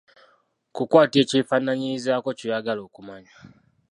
Kukwata ekyefaanaanyirizaako ky'oyagala okumanya.